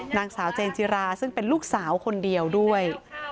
นางสาวเจนจิราซึ่งเป็นลูกสาวคนเดียวด้วย